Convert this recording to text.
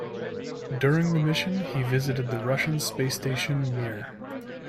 During the mission he visited the Russian space station Mir.